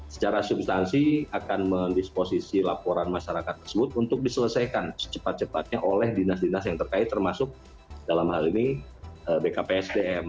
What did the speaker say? secara substansi akan mendisposisi laporan masyarakat tersebut untuk diselesaikan secepat cepatnya oleh dinas dinas yang terkait termasuk dalam hal ini bkpsdm